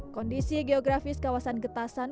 kondisi geografis kawasan getasan